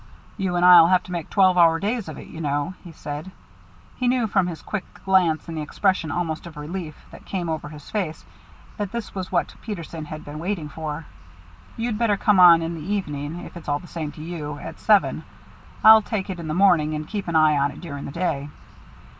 "You and I'll have to make twelve hour days of it, you know," he said. He knew, from his quick glance and the expression almost of relief that came over his face, that this was what Peterson had been waiting for. "You'd better come on in the evening, if it's all the same to you at seven. I'll take it in the morning and keep an eye on it during the day."